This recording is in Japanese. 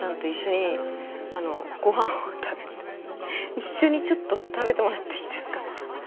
一緒にちょっと食べてもらっていいですかみたいな。